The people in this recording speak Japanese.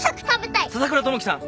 笹倉友樹さん